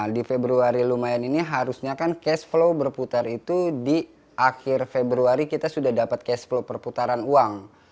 di februari lumayan ini harusnya kan cash flow berputar itu di akhir februari kita sudah dapat cash flow perputaran uang